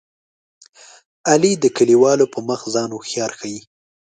علي د کلیوالو په مخ ځان هوښیار ښيي.